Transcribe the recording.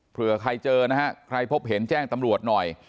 เผื่อใครเจอนะฮะใครพบเห็นแจ้งตำรวจหน่อย